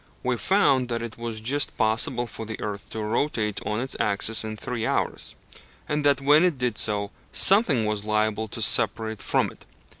We found that it was just possible for the earth to rotate on its axis in three hours, and that when it did so, something was liable to separate from it.